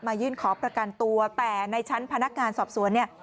ยื่นขอประกันตัวแต่ในชั้นพนักงานสอบสวนเนี่ย